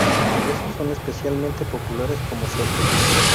Esos son especialmente populares como setos.